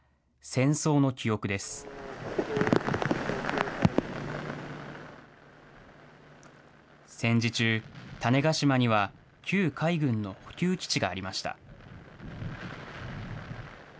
戦時中、種子島には旧海軍の補給基地がありました。